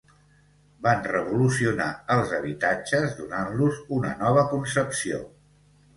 Van revolucionar els habitatges donant-los una nova concepció.